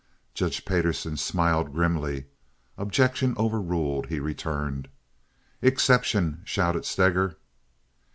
Judge Payderson smiled grimly. "Objection overruled," he returned. "Exception!" shouted Steger.